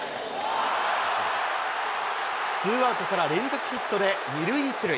ツーアウトから連続ヒットで、二塁一塁。